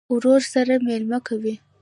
ورور سره مېله کوې.